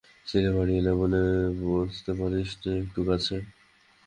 ছেলে বাড়ি এলে বলে, বসতে পারিসনে একটু কাছে।